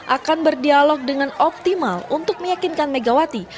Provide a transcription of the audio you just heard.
akan berdialog dengan optimal untuk meyakinkan megawati